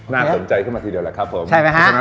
น่าสนใจขึ้นมาทีเดียวแหละครับผมใช่ไหม